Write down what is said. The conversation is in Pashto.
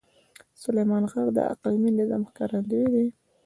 سلیمان غر د اقلیمي نظام ښکارندوی دی.